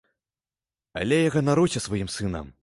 Але я ганаруся сваім сынам.